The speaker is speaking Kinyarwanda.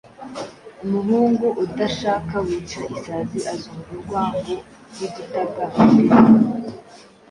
Umuhungu udashaka wica Isazi azumva urwango rw'igitagangurirwa.